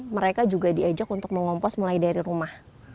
mereka juga diajak untuk mengompos mulai dari rumah